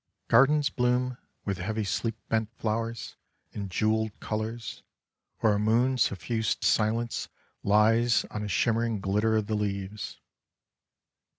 Gardens bloom with heavy sleepbent flowers and jeweled colors, or a moon suffused silence lies on a shimmering glitter of the leaves.